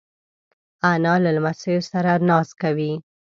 انا له لمسیو سره ناز کوي